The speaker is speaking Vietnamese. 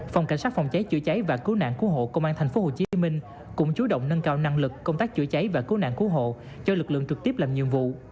phòng cảnh sát phòng cháy chữa cháy và cứu nạn cứu hộ công an tp hcm cũng chú động nâng cao năng lực công tác chữa cháy và cứu nạn cứu hộ cho lực lượng trực tiếp làm nhiệm vụ